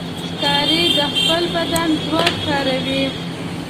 ښکاري د خپل بدن ځواک کاروي.